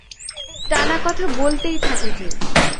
টানা কথা বলতেই থাকে যে।